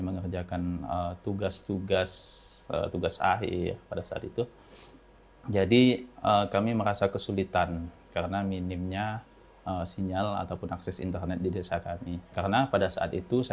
menghadirkan internet di desa